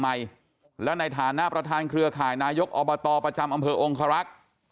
แล้วในฐานะประธานเครือข่ายนายกอบตประจำอำเภอองคารักษ์